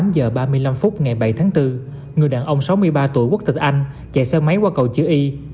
tám giờ ba mươi năm phút ngày bảy tháng bốn người đàn ông sáu mươi ba tuổi quốc tịch anh chạy xe máy qua cầu chữ y